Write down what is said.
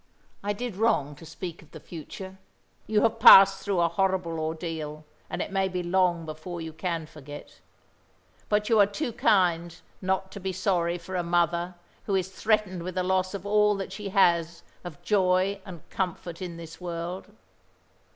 I did wrong to speak of the future. You have passed through a horrible ordeal, and it may be long before you can forget. But you are too kind not to be sorry for a mother who is threatened with the loss of all that she has of joy and comfort in this world."